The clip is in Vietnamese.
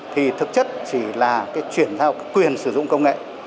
thì thực chất chỉ là cái chuyển giao quyền sử dụng công nghệ